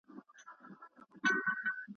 ژوندون نوم د حرکت دی هره ورځ چي سبا کیږي `